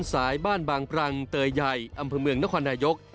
สายบ้านบางปรังเตยใหญ่อำเภอเมืองนครนายก